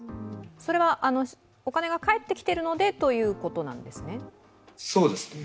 それはお金が返ってきているのでということなんですね。